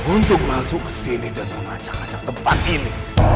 untuk langsung kesini dan mengacau acau tempat ini